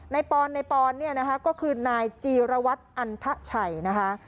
ปอนในปอนเนี่ยนะคะก็คือนายจีรวัตรอันทะชัยนะคะ